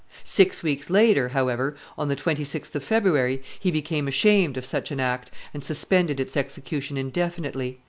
Six weeks later, however, on the 26th of February, he became ashamed of such an act, and suspended its execution indefinitely.